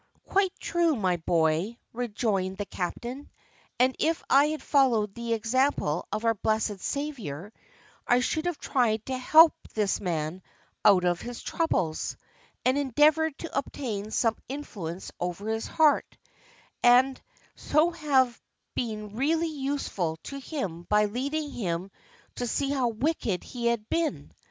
"Quite true, my boy," rejoined the captain, "and if I had followed the example of our blessed Saviour, I should have tried to help this man out of his troubles, and endeavoured to obtain some influence over his heart, and so have been really useful to him by leading him to see how wicked he had been.